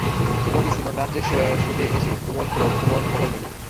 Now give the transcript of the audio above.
মধুসূদন রাত্রে শুতে এসে কুমুর খবর নিলে।